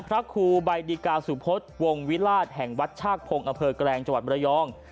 พระครูใบดิกาสุพศวงวิราชแห่งวัดชากพงศ์อำเภอแกลงจังหวัดมรยอง